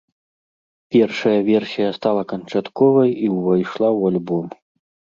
Першая версія стала канчатковай і ўвайшла ў альбом.